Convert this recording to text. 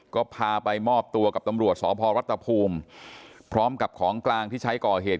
ก็พาไปมอบตัวกับตำรวจสพรัฐภูมิพร้อมกับของกลางที่ใช้ก่อเหตุ